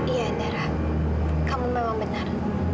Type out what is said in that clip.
iya nara kamu memang benar